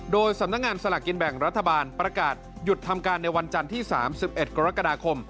โดยสำนักงานสลากกินแบ่งรัฐบาลประกาศหยุดทำการในวันจันทร์ที่๓๑กรกฎาคม